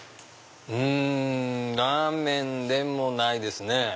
うんラーメンでもないですね。